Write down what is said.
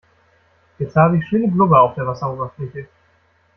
Jetzt habe ich schöne Blubber auf der Wasseroberfläche.